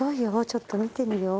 ちょっと見てみよう。